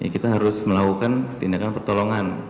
kita harus melakukan tindakan pertolongan